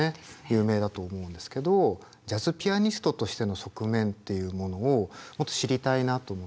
有名だと思うんですけどジャズピアニストとしての側面っていうものをもっと知りたいなと思って。